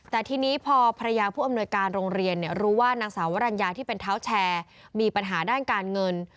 แต่ทีนี้พอภรรยาผู้อำนวยการโรงเรียนรู้ว่านางสาววรรณยาที่เป็นเท้าแชร์มีปัญหาด้านการเงิน